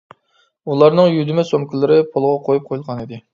ئۇلارنىڭ يۈدۈمە سومكىلىرى پولغا قويۇپ قويۇلغانىدى.